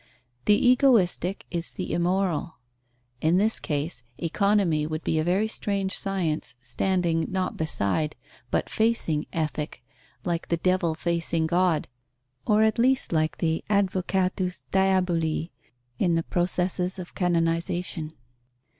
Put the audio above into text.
The egoistic is the immoral. In this case Economy would be a very strange science, standing, not beside, but facing Ethic, like the devil facing God, or at least like the advocatus diaboli in the processes of canonization.